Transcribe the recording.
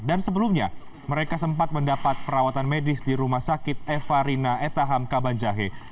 dan sebelumnya mereka sempat mendapat perawatan medis di rumah sakit eva rina etaham kaban jahe